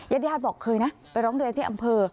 ยัดยาดบอกเคยนะไปร้องเรียนที่อำเภอ